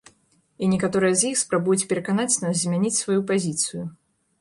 І некаторыя з іх спрабуюць пераканаць нас змяніць сваю пазіцыю.